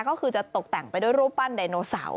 ก็คือจะตกแต่งไปด้วยรูปปั้นไดโนเสาร์